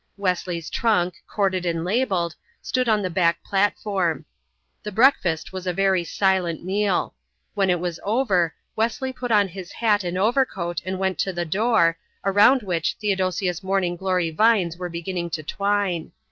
Wesley's trunk, corded and labelled, stood on the back platform. The breakfast was a very silent meal. When it was over Wesley put on his hat and overcoat and went to the door, around which Theodosia's morning glory vines were beginning to twine.